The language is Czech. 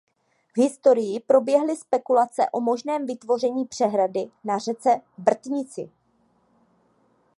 V historii proběhly spekulace o možném vytvoření přehrady na řece Brtnici.